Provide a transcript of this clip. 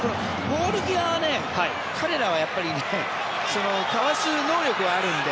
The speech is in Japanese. ボール際は彼らはやっぱりかわす能力はあるので。